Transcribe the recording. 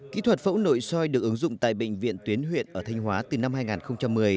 kỹ thuật phẫu nội soi được ứng dụng tại bệnh viện tuyến huyện ở thanh hóa từ năm hai nghìn một mươi